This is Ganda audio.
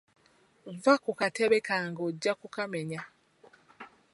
Vva ku katebe kange ojja kukamenya.